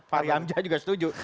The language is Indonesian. fahri amjad juga setuju